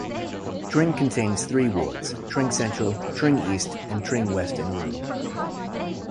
Tring contains three wards: Tring Central, Tring East and Tring West and Rural.